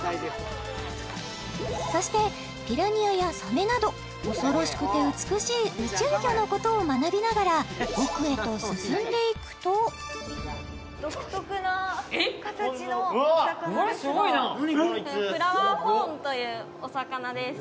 そしてピラニアやサメなど恐ろしくて美しい宇宙魚のことを学びながら奥へと進んでいくとというお魚です・